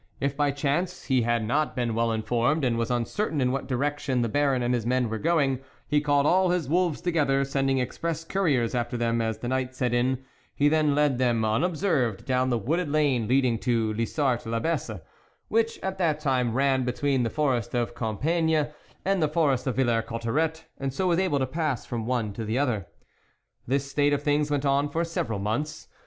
If by chance he had not been well informed, and was uncertain in what direction the Baron and his men were going, he called all his wolves together, sending express couriers after them as the night set in ; he then led them unobserved down the wooded lane leading to Lisart 1'Abbesse, which at that time ran between the forest of Compiegne and the forest of Villers Cotterets, and so was able to pass from one to the other. This state of things went on for several months.